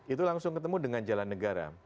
itu langsung ketemu dengan jalan negara